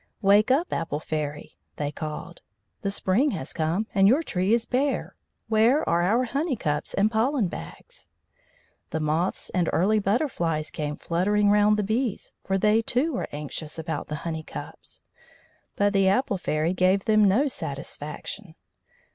"Wake up, Apple Fairy!" they called. "The spring has come, and your tree is bare. Where are our honey cups and pollen bags?" The moths and early butterflies came fluttering round the bees, for they too were anxious about the honey cups. But the Apple Fairy gave them no satisfaction.